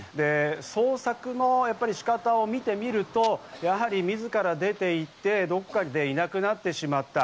捜索の仕方を見てみると、やはり自ら出ていって、どこかでいなくなってしまった。